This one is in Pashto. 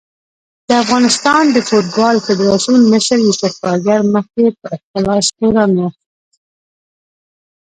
د افغانستان د فوټبال فدارسیون مشر یوسف کارګر مخکې په اختلاس تورن و